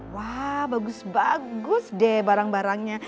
wah bagus bagus deh barang barangnya